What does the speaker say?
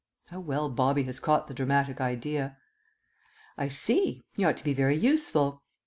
(How well Bobby has caught the dramatic idea.) "I see. He ought to be very useful."